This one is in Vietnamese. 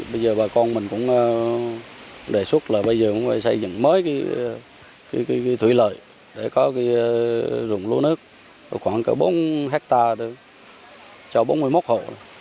bây giờ bà con mình cũng đề xuất là bây giờ cũng phải xây dựng mới thủy lợi để có rừng lúa nước khoảng bốn hectare cho bốn mươi một hồ